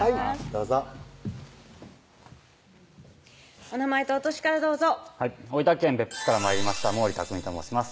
どうぞお名前とお歳からどうぞはい大分県別府市から参りました毛利巧と申します